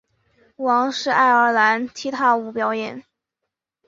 舞王是爱尔兰踢踏舞表演。